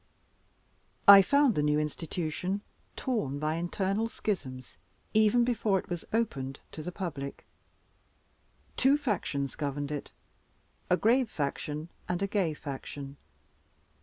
I found the new Institution torn by internal schisms even before it was opened to the public. Two factious governed it a grave faction and a gay faction.